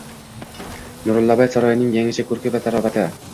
Nurullaboy saroyining yangicha ko‘rki va tarovati